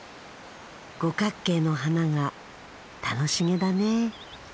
五角形の花が楽しげだね。